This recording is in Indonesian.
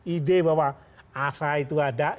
ide bahwa asa itu ada